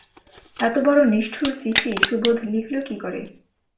এতবড়ো নিষ্ঠুর চিঠি সুবোধ লিখল কী করে!